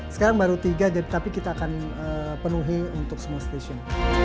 sekarang baru tiga tapi kita akan penuhi untuk semua stasiun